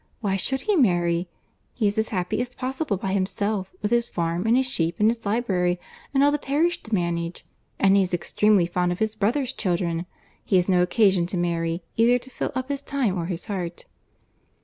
Why should he marry?—He is as happy as possible by himself; with his farm, and his sheep, and his library, and all the parish to manage; and he is extremely fond of his brother's children. He has no occasion to marry, either to fill up his time or his heart."